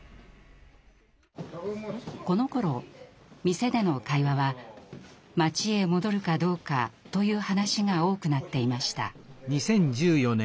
このころ店での会話は「町へ戻るかどうか」という話が多くなっていました。